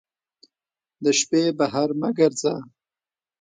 د شپې بهر مه ګرځه